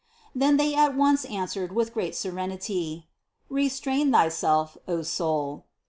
Then they at once answered with great seren 26 CITY OF GOD ity : "Restrain thyself, O soul."